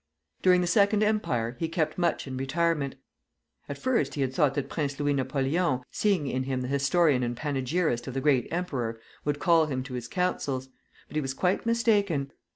During the Second Empire he kept much in retirement. At first he had thought that Prince Louis Napoleon, seeing in him the historian and panegyrist of the Great Emperor, would call him to his councils. But he was quite mistaken.